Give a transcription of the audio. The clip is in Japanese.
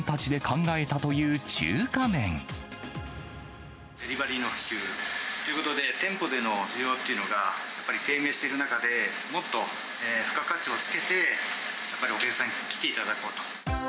特徴は、デリバリーの普及ということで、店舗での需要っていうのが、やっぱり低迷している中で、もっと付加価値をつけて、やっぱりお客さんに来ていただこうと。